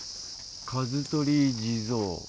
数取り地蔵。